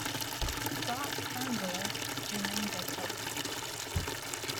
Scott Turnbull remains as host.